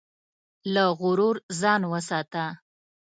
له غرور ځان وساته.